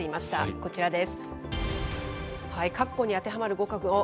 こちらです。